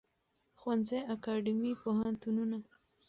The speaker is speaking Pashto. ښوونځی اکاډیمی پوهنتونونه